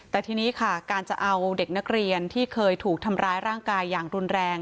แต่ทีนี้ค่ะการจะเอาเด็กนักเรียนที่เคยถูกทำร้ายร่างกายอย่างรุนแรง